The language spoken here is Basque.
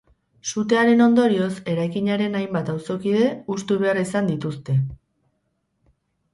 Sutearen ondorioz, eraikinaren hainbat auzokide hustu behar izan dituzte.